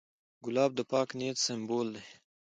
ګلاب د پاک نیت سمبول دی.